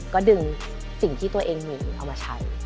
ก็ดึงสิ่งที่ตัวเองมีเอามาใช้